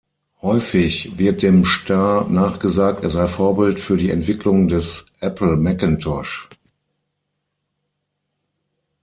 Häufig wird dem Star nachgesagt, er sei Vorbild für die Entwicklung des Apple Macintosh.